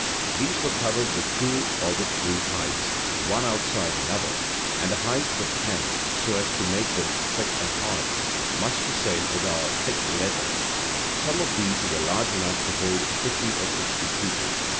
These were covered with two, or with three, hides, one outside another, and the hides were tanned so as to make them thick and hard, much the same as our thick leather. Some of these were large enough to hold fifty or sixty people.